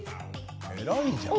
偉いじゃん。